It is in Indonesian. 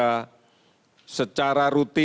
dan juga secara rutin